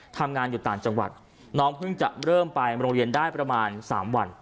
ทำงานอยู่ต่างจังหวัดน้องเพิ่งจะเริ่มไปโรงเรียนได้ประมาณ๓วัน